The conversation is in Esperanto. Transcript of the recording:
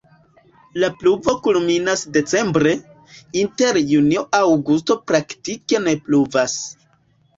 La pluvo kulminas decembre, inter junio-aŭgusto praktike ne pluvas.